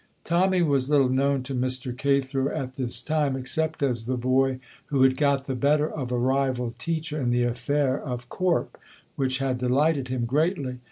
Tommy was little known to Mr. Cathro at this time, except as the boy who had got the better of a rival teacher in the affair of Corp, which had delighted him greatly.